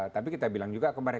tapi kita bilang juga ke mereka